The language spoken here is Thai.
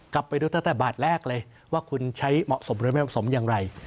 กลับไปดูตั้งแต่บาทแรกเลยว่าคุณใช้เหมาะสมหรือไม่เหมาะสมอย่างไร